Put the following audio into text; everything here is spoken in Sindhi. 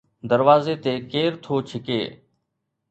دروازي تي ڪير ٿو ڇڪي؟